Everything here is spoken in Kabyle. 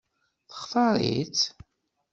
Textaṛ-itt?